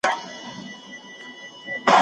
سرکونه او لارې مه بندوئ.